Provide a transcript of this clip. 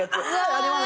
あります。